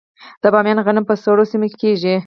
د بامیان غنم په سړو سیمو کې کیږي.